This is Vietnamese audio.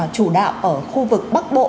chủ đạo ở khu vực bắc bộ